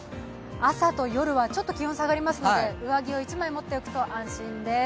朝と夜はちょっと気温が下がりますので上着を１枚持っておくと安心です。